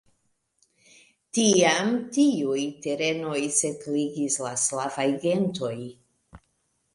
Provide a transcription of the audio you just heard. Tiam tiujn terenoj setligis la slavaj gentoj.